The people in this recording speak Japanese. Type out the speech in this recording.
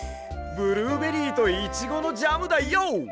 ブルーベリーとイチゴのジャムだＹＯ！